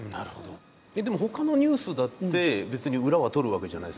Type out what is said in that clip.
えっでもほかのニュースだって別に裏は取るわけじゃないですか。